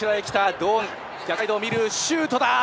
堂安、シュートだ。